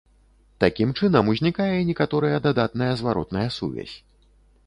Такім чынам, узнікае некаторая дадатная зваротная сувязь.